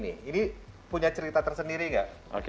ini punya cerita tersendiri nggak